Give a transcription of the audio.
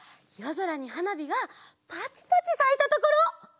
ぞらにはなびがパチパチさいたところ！